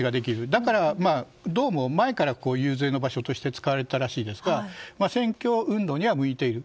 だからどうも前から遊説の場所として使われていたらしいですが選挙運動には向いている。